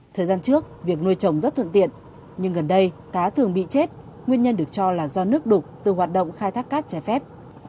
thời gian trước việc nuôi trồng rất thuận tiện nhưng gần đây cá thường bị chết nguyên nhân được cho là do nước đục từ hoạt động khai thác cát trái phép